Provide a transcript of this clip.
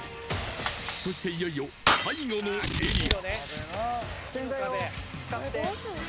そして、いよいよ最後のエリア。